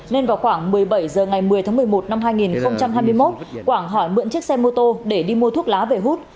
nên vào khoảng một mươi bảy h ngày một mươi tháng một mươi một năm hai nghìn hai mươi một quảng hỏi mượn chiếc xe mô tô để đi mua thuốc lá về hút